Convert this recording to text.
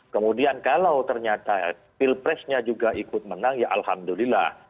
kemudian kalau ternyata pilpresnya juga ikut menang ya alhamdulillah